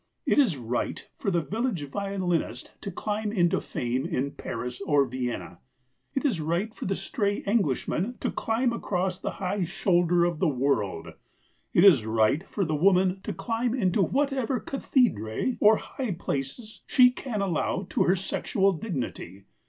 It is right for the village violinist to climb into fame in Paris or Vienna; it is right for the stray Englishman to climb across the high shoulder of the world; it is right for the woman to climb into whatever cathedrae or high places she can allow to her sexual dignity.